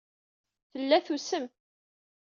Tella tusem.